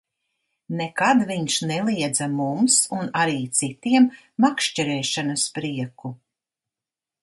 Nekad viņš neliedza mums un arī citiem makšķerēšanas prieku.